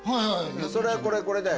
それがこれこれだよ。